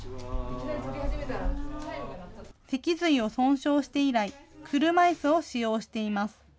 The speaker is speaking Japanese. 脊髄を損傷して以来、車いすを使用しています。